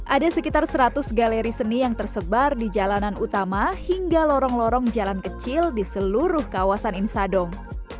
ada sekitar seratus galeri seni yang tersebar di jalanan utama hingga lorong lorong jalan kecil di seluruh kawasan insadong